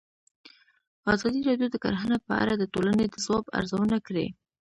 ازادي راډیو د کرهنه په اړه د ټولنې د ځواب ارزونه کړې.